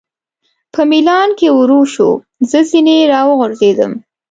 په مېلان کې ورو شو، زه ځنې را وغورځېدم.